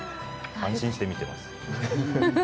安心して見てます。